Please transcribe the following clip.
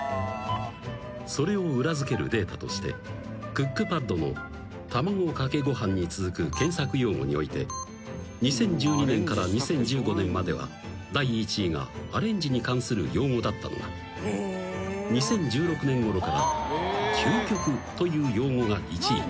［それを裏付けるデータとしてクックパッドの卵かけご飯に続く検索用語において２０１２年から２０１５年までは第１位がアレンジに関する用語だったのが２０１６年ごろから究極という用語が１位］